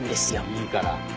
いいから。